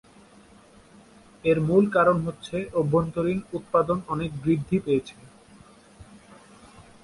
এর মূল কারণ হচ্ছে অভ্যন্তরীণ উৎপাদন অনেক বৃদ্ধি পেয়েছে।